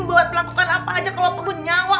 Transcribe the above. buat melakukan apa aja kalo penuh nyawa